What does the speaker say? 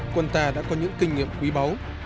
quân ta đã có những kinh nghiệm quý báu